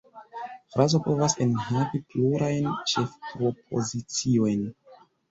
Frazo povas enhavi plurajn ĉefpropoziciojn.